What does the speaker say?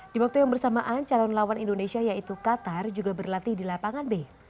di waktu yang bersamaan calon lawan indonesia yaitu qatar juga berlatih di lapangan b